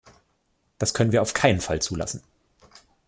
Das können wir auf keinen Fall zulassen.